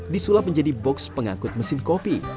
disulap menjadi box pengangkut mesin kopi